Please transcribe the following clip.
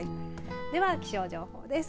では気象情報です。